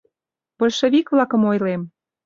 Большевик-влакым ойлем.